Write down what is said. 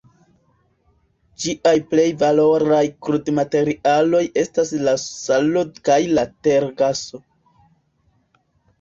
Ĝiaj plej valoraj krudmaterialoj estas la salo kaj la tergaso.